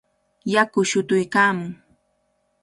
Yaku shutuykaamun.